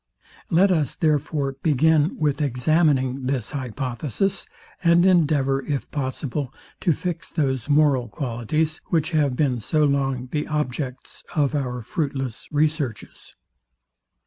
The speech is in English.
Let us, therefore, begin with examining this hypothesis, and endeavour, if possible, to fix those moral qualities, which have been so long the objects of our fruitless researches.